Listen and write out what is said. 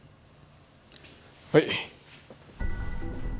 はい。